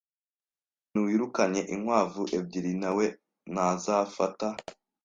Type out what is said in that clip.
Umuntu wirukanye inkwavu ebyiri nawe ntazafata.